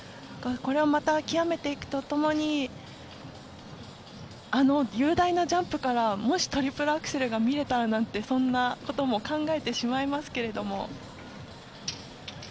これをまた極めていくと共にあの雄大なジャンプからもし、トリプルアクセルが見れたらなんてそんなことも考えてしまいますけれども。